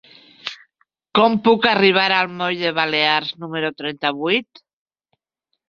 Com puc arribar al moll de Balears número trenta-vuit?